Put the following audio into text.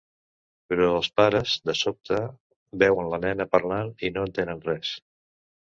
Però els pares, de sobte, veuen la nena parlant i no entenen res.